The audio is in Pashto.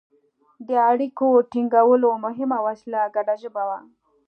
د اړیکو ټینګولو مهمه وسیله ګډه ژبه وه.